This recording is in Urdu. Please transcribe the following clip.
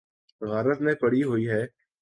غارت میں پڑی ہوئی ہے۔